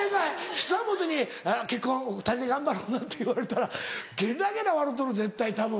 久本に「結婚２人で頑張ろうな」って言われたらゲラゲラ笑うとる絶対たぶん。